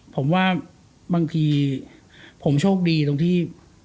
ผมว่าบางทีผมโชคดีตรงที่